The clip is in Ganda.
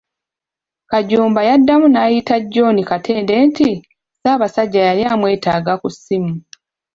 Kajumba yaddamu n'ayita John Katende nti Ssabasajja yali amwetaaga ku ssimu.